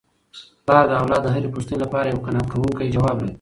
پلار د اولاد د هرې پوښتني لپاره یو قناعت کوونکی ځواب لري.